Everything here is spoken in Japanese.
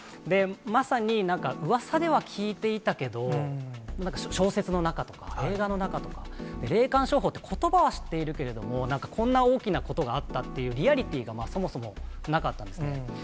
まさにうわさでは聞いていたけど、なんか小説の中とか、映画の中とか、霊感商法ってことばは知っているけれども、こんな大きなことがあったっていうリアリティーがそもそもなかったんですね。